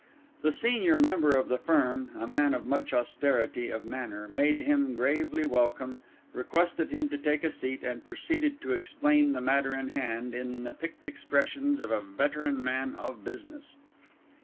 The senior member of the firm, a man of much austerity of manner, made him gravely welcome, requested him to take a seat, and proceeded to explain the matter in hand in the picked expressions of a veteran man of business.